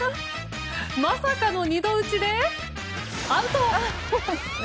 まさかの二度打ちでアウト！